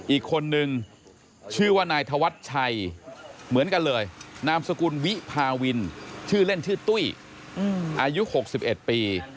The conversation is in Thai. อีกคนนึงชื่อว่านายธวัชชัยเหมือนกันเลยนามสกุลวิพาวินชื่อเล่นชื่อตุ้ยอายุ๖๑ปี